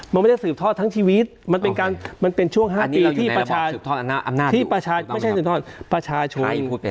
มันไม่ได้สืบทอดทั้งชีวิตมันเป็นช่วง๕ปีที่ประชาชน